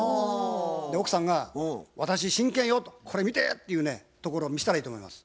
奥さんが「私真剣よ」と「これ見て」っていうねところを見せたらいいと思います。